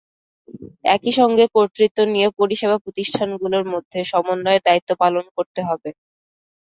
একই সঙ্গে কর্তৃত্ব নিয়ে পরিষেবা প্রতিষ্ঠানগুলোর মধ্যে সমন্বয়ের দায়িত্ব পালন করতে হবে।